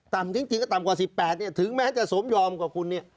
จริงก็ต่ำกว่า๑๘เนี่ยถึงแม้จะสมยอมกับคุณเนี่ย